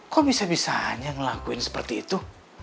kok bisa bisanya ngelakuin seperti itu